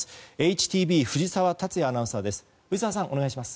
ＨＴＢ藤澤達弥アナウンサーです。